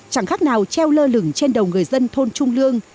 chẳng khác nào treo lơ lửng trên đầu người dân thôn trung lương